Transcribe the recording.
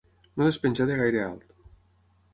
No despenjar de gaire alt.